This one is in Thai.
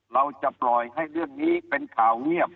เราจะปล่อยให้เรื่องนี้เป็นข่าวเงียบ